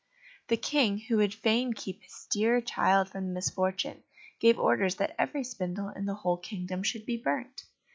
The King, who would fain keep his dear child from the misfortune, gave orders that every spindle in the whole kingdom should be burnt.